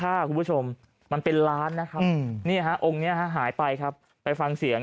แต่แท่นตัวนี้คนเคลือลากไม่ได้นะเนี่ย